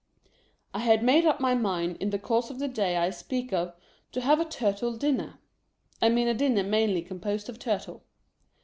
I had made up my mind, in the course of the day I speak of, to have a Turtle dinner. I mean a dinner mainly com posed of Turtle.